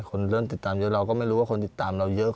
คนเริ่มติดตามเยอะเราก็ไม่รู้ว่าคนติดตามเราเยอะ